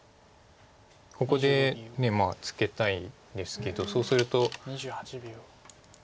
ここでツケたいですけどそうすると。